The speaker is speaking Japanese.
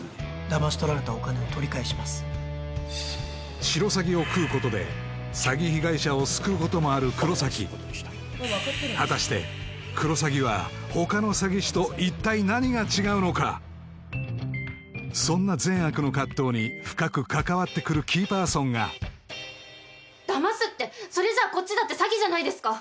ダマし取られたお金を取り返しますシロサギを喰うことで詐欺被害者を救うこともある黒崎果たしてクロサギは他の詐欺師と一体何が違うのかそんな善悪の葛藤に深く関わってくるキーパーソンがダマすってそれじゃこっちだって詐欺じゃないですか